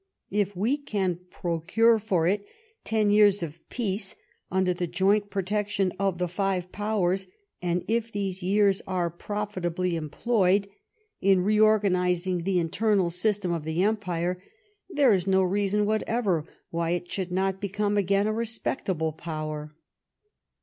•.• If we. can procure for it ten years of peace under the joint protection of the five JPowers, and if those years are profitably employed in 64 LIFE OF VISCOUNT PALMEBSTON. * reorganizing the internal system of the Empire, there is no reason whatever why it should not become again a respectable Power."